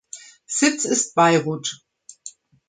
Sitz ist Beirut.